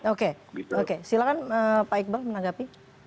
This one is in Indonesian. oke silahkan pak iqbal menanggapi